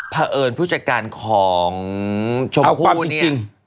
พอเอิญผู้จัดการของชมครูเนี่ย